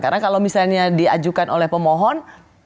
karena kalau misalnya diajukan oleh pemohon